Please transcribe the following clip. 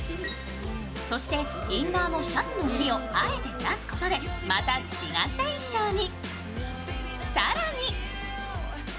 そしてインナーのシャツの襟をあえて出すことでまた違った印象に。